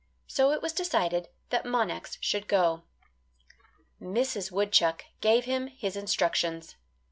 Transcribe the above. So it was decided that Monax should go. Mrs. Woodchuck gave him his instructions.